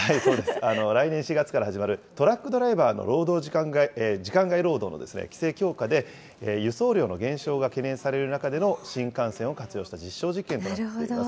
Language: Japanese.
来年４月から始まるトラックドライバーの時間外労働の規制強化で、輸送量の減少が懸念される中での新幹線を活用した実証実験となっなるほど。